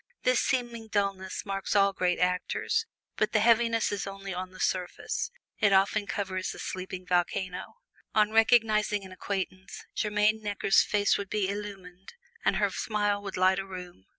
This seeming dulness marks all great actors, but the heaviness is only on the surface; it often covers a sleeping volcano. On recognizing an acquaintance, Germaine Necker's face would be illumined, and her smile would light a room.